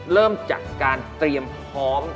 เริ่มจากการเตรียมพร้อม